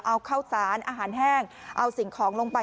เอาข้าวสารอาหารแห้งเอาสิ่งของลงไป